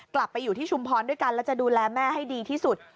กลับไปอยู่ที่ชุมพรด้วยกันแล้วจะดูแลแม่ให้ดีที่สุด